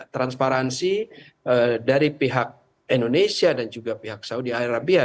transparansi dari pihak indonesia dan juga pihak saudi arabia